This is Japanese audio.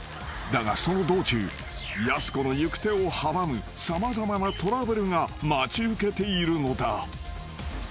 ［だがその道中やす子の行く手を阻む様々なトラブルが待ち受けているのだ］